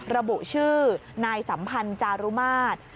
ระบุชื่อนายสัมพันธ์จารุมาตร